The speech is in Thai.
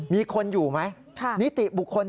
มีคนอยู่ไหมนิติบุคคล